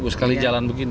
seratus sekali jalan begini